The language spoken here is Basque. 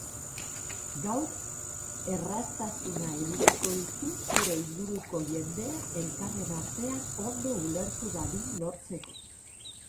Gaur erraztasuna edukiko duzu zure inguruko jendea elkarren artean ondo ulertu dadin lortzeko.